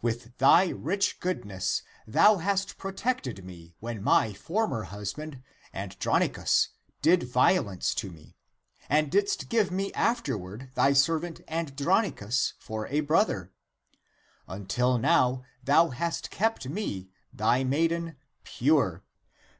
With thy rich goodness, thou hast protected me when my former husband, Androni cus, did violence to me, and didst give me afterward ACTS OF JOHN 1 73 thy servant Andronicus for a brother. Until now thou hast kept me, thy maiden, pure.